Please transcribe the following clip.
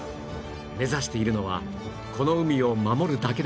目指しているのはこの海を守るだけではない